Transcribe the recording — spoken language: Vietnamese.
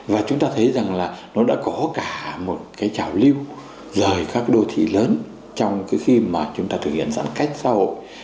và chúng ta thấy rằng là nó đã có cả một cái trào lưu rời các đô thị lớn trong cái khi mà chúng ta thực hiện giãn cách xã hội